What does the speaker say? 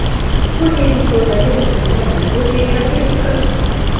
கூடியிருந்தார், அதிகம் இருந்தால், இருநூறு பேராக இருக்கலாம்.